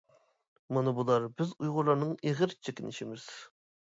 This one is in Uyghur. مانا بۇلار بىز ئۇيغۇرلارنىڭ ئېغىر چېكىنىشىمىز.